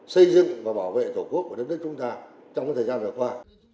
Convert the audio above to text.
xây dựng và bảo vệ tổ quốc của đất nước chúng ta trong thời gian vừa qua